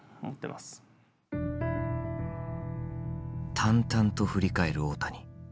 淡々と振り返る大谷。